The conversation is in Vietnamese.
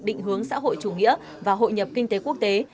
định hướng xã hội chủ nghĩa và hội nhập kinh tế quốc tế